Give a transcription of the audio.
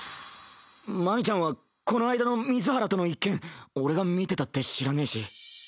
マミちゃんはこの間の水原との一件俺が見てたって知らねぇし。